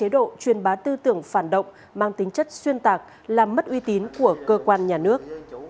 độ chuyên bá tư tưởng phản động mang tính chất xuyên tạc làm mất uy tín của cơ quan nhà nước